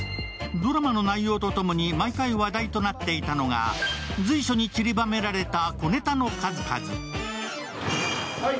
ドラマの内容と共に毎回、話題となっていたのが随所にちりばめられた小ネタの数々。